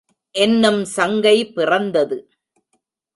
என்னும் சங்கை பிறந்தது.